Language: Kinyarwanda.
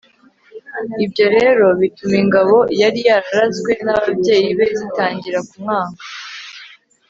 ibyo rero bituma ingabo yari yararazwe n'ababyeyi be zitangira kumwanga